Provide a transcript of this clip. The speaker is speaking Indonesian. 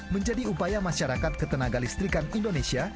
menjadi upaya masyarakat ketenaga listrikan indonesia